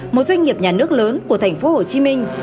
một doanh nghiệp nhà nước lớn của thành phố hồ chí minh